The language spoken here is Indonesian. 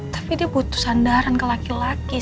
tapi dia butuh sandaran ke laki laki